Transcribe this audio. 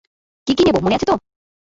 কী কী নেব মনে আছে তো?